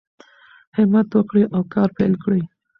همت وکړئ او کار پیل کړئ.